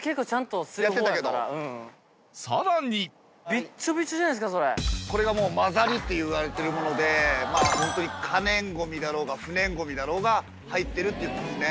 さらにこれがもうまざりっていわれてるものでホントに可燃ごみだろうが不燃ごみだろうが入ってるっていうものですね。